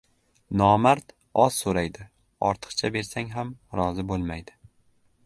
nomard oz so‘raydi, ortiqcha bersang ham rozi bo‘lmaydi.